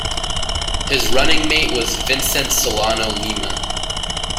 His running-mate was Vicente Solano Lima.